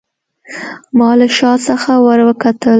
ما له شا څخه وروکتل.